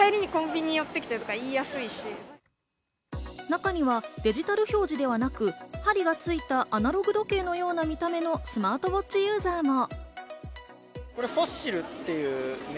中にはデジタル表示ではなく、針がついたアナログ時計のような見た目のスマートウォッチユーザーも。